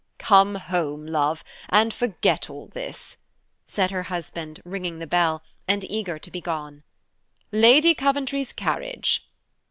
"Come home, love, and forget all this," said her husband, ringing the bell, and eager to be gone. "Lady Coventry's carriage."